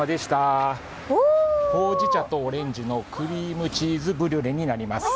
ほうじ茶とオレンジのクリームチーズブリュレになります。